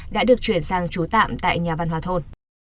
đã được chuyển sang trú tạm tại nhà văn hóa thôn